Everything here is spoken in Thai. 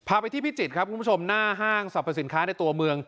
ไปที่พิจิตรครับคุณผู้ชมหน้าห้างสรรพสินค้าในตัวเมือง